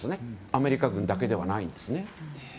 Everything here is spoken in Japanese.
アメリカ軍だけではないです。